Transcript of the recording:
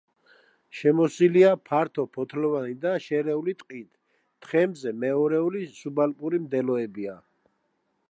შემოსილია ფართოფოთლოვანი და შერეული ტყით, თხემზე მეორეული სუბალპური მდელოებია.